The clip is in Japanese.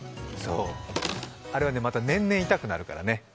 あれはまた年々痛くなるからね。